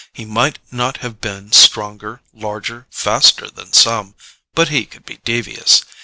He might not have been stronger, larger, faster than some ... but he could be devious